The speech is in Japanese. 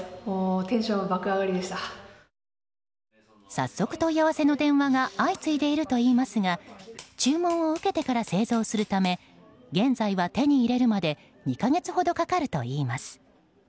早速、問い合わせの電話が相次いでいるといいますが注文を受けてから製造するため現在は、手に入れるまで２か月ほどかかるといいます。